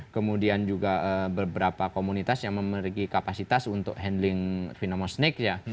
kemudian juga beberapa komunitas yang memiliki kapasitas untuk handling phinomous snack ya